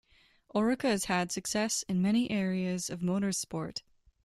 Oreca has had success in many areas of motorsport.